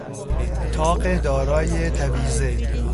تاق دارای تویزه